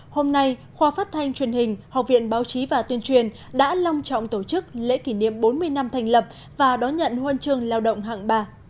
hôm nay khoa phát thanh truyền hình học viện báo chí và tuyên truyền đã long trọng tổ chức lễ kỷ niệm bốn mươi năm thành lập và đón nhận huân trường lao động hạng ba